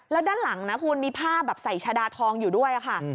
แล้วด้านหลังนะคุณมีภาพแบบใส่ชาดาทองอยู่ด้วยค่ะ